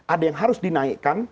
ada yang harus dinaikkan